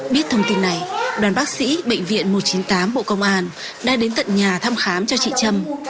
biết thông tin này đoàn bác sĩ bệnh viện một trăm chín mươi tám bộ công an đã đến tận nhà thăm khám cho chị trâm